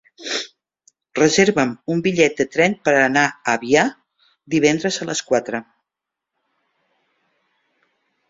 Reserva'm un bitllet de tren per anar a Avià divendres a les quatre.